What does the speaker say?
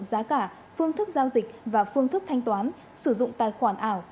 giá cả phương thức giao dịch và phương thức thanh toán sử dụng tài khoản ảo